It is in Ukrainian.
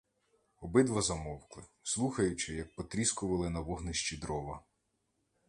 Обидва замовкли, слухаючи, як потріскували на вогнищі дрова.